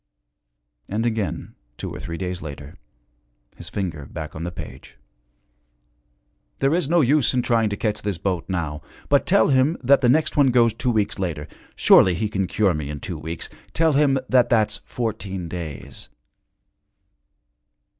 And again, two or three days later, his finger back on the page, 'There is no use in trying to catch this boat now. But tell him that the next one goes two weeks later. Surely he can cure me in two weeks; tell him that that's fourteen days.'